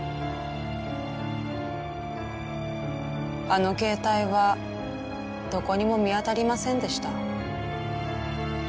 あの携帯はどこにも見当たりませんでした。